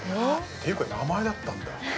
ていうか名前だったんだ